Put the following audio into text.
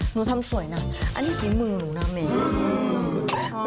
หนูทำสวยน่ะอันนี้ทีมึงหนูทำวันนี้